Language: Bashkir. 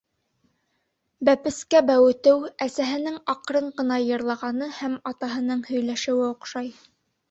Бәпескә бәүетеү, әсәһенең аҡрын ғына йырлағаны һәм атаһының һөйләшеүе оҡшай.